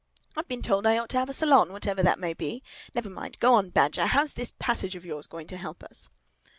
I've been told I ought to have a salon, whatever that may be. Never mind. Go on, Badger. How's this passage of yours going to help us?"